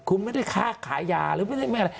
คุณไม่ได้ฆ่าขายยาหรือไม่ได้ไม่อะไร